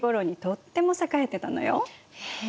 へえ。